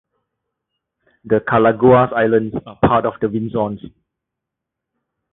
The Calaguas Islands are part of Vinzons.